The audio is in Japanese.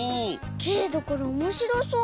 けれどこれおもしろそう。